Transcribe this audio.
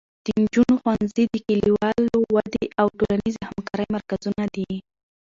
د نجونو ښوونځي د کلیوالو ودې او ټولنیزې همکارۍ مرکزونه دي.